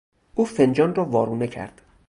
او فنجان را وارونه کرد.